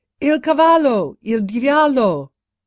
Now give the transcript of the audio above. "Il cavallo! Il Diavolo!"